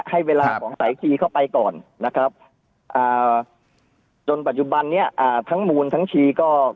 ให้เวลาของสายชีเข้าไปก่อนนะครับจนปัจจุบันนี้อ่าทั้งมูลทั้งชีก็